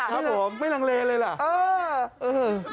ครับผมไม่ลังเลเลยล่ะ